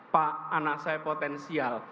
pak anak saya potensial